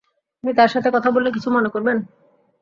আমি তার সাথে কথা বললে কিছু মনে করবেন?